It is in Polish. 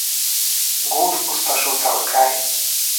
"Głód pustoszył cały kraj